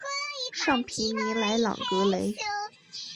尚皮尼莱朗格雷。